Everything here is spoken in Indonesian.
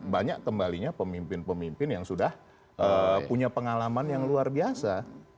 banyak kembalinya pemimpin pemimpin yang sudah punya pengalaman yang luar biasa